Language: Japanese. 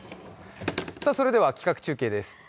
それでは企画中継です。